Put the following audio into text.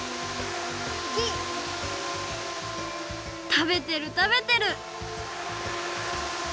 たべてるたべてる！